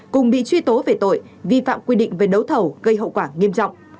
cùng bị truy tố về tội vi phạm quy định về đấu thầu gây hậu quả nghiêm trọng